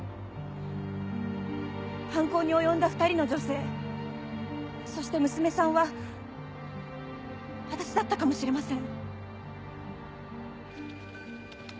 犯行に及んだ２人の女性そして娘さんは私だったかもしれません。